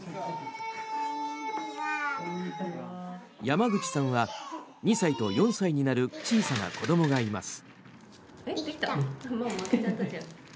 山口さんは２歳と４歳になる小さな子どもがいます。